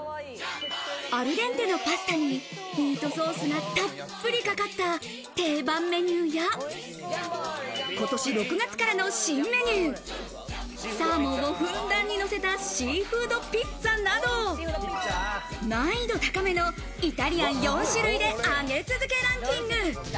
アルデンテのパスタに、ミートソースがたっぷりかかった定番メニューや、今年６月からの新メニュー、サーモンをふんだんにのせたシーフードピッツァなど、難易度高めのイタリアン４種類で上げ続けランキング。